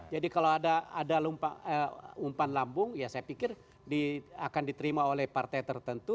jadi kalau ada umpan lambung ya saya pikir akan diterima oleh partai tertentu